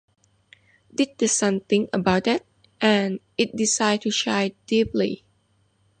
Did the sun think about that? And it decide to shine deeply.